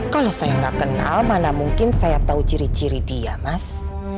kalau saya nggak kenal mana mungkin saya tahu ciri ciri dia mas